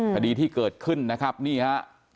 คดีที่เกิดขึ้นนะครับนี่ฮะ